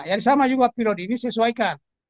jadi sama juga pilot ini sesuaikan